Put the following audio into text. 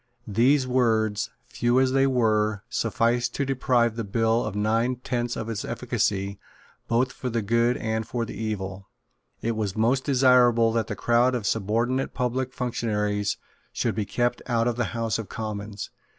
These words, few as they were, sufficed to deprive the bill of nine tenths of its efficacy, both for good and for evil. It was most desirable that the crowd of subordinate public functionaries should be kept out of the House of Commons.